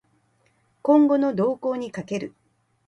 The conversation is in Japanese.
今後の動向に賭ける